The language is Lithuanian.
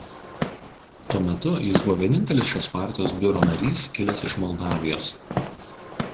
Tuo metu jis buvo vienintelis šios partijos biuro narys kilęs iš Moldavijos.